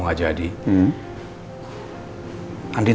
jangan jadikan rizal